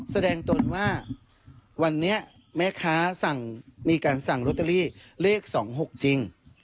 แสดงตนว่าวันนี้แม่ค้าสั่งมีการสั่งลอตเตอรี่เลข๒๖จริง